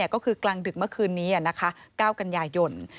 ก็คือกลางดึกเมื่อคืนนี้๙กันยายน